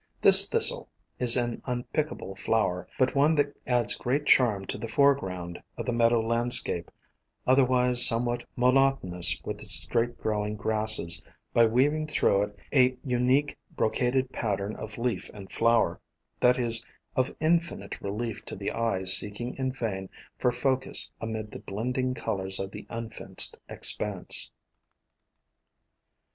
This Thistle is an unpickable flower, but one that adds great charm to the foreground of the meadow land scape, otherwise somewhat monotonous with its straight growing grasses, by weaving through it a unique brocaded pattern of leaf and flower, that is of infinite relief to the eye seeking in vain for focus amid the blending colors of the unfenced expanse.